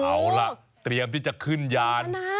เอาล่ะเตรียมที่จะขึ้นยาน